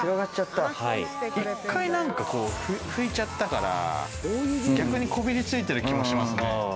１回拭いちゃったから、逆にこびりついてる気もしますね。